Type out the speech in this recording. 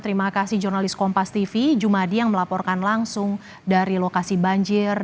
terima kasih jurnalis kompas tv jumadi yang melaporkan langsung dari lokasi banjir